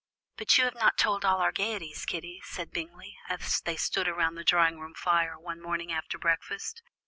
"But you have not told all our gaieties, Kitty," said Bingley, as they stood round the drawing room fire one morning after breakfast.